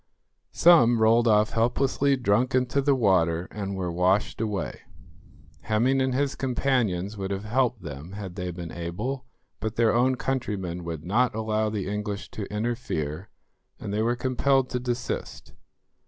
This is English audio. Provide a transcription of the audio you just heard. Some rolled off helplessly drunk into the water, and were washed away. Hemming and his companions would have helped them had they been able, but their own countrymen would not allow the English to interfere, and they were compelled to desist.